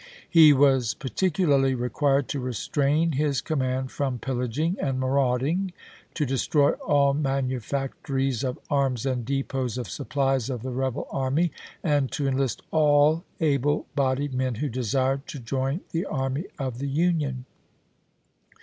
He was particularly requii'ed to restrain his command from pillaging and marauding ; to destroy all manufac tories of arms and depots of supplies of the rebel army, and to enlist all able bodied men who desired to join the army of the Union.